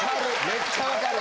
めっちゃわかる！